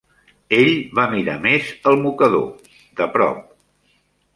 Ell va mirar més el mocador, de prop.